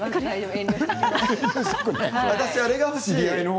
私、あれが欲しい。